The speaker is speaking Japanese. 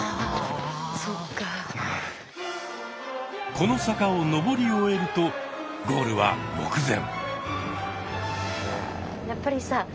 この坂を上り終えるとゴールは目前。